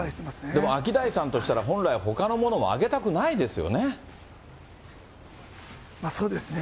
でもアキダイさんとしたら、本来、ほかのものも上げたくないそうですね。